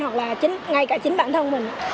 hoặc là ngay cả chính bản thân mình